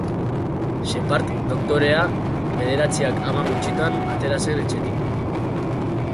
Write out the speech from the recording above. Sheppard doktorea bederatziak hamar gutxitan atera zen etxetik.